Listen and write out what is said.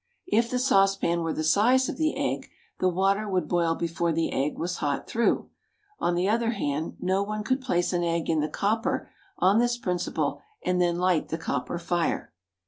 If the saucepan were the size of the egg, the water would boil before the egg was hot through; on the other hand, no one could place an egg in the copper on this principle and then light the copper fire.